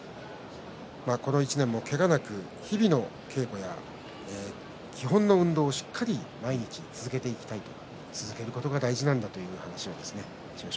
この１年もけがなく日々の稽古や基本の運動をしっかり毎日続けていきたいと続けることが大事なんだという話を千代翔